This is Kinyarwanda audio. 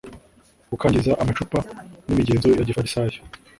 kukangiza amacupa y’imigenzo ya gifarisayo